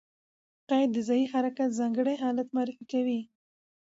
قید د ځایي حرکت ځانګړی حالت معرفي کوي.